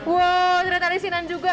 wow ternyata ada isinan juga